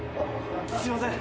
すいません。